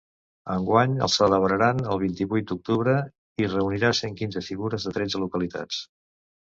Enguany el celebraran el vint-i-vuit d’octubre i reunirà cent quinze figures de tretze localitats.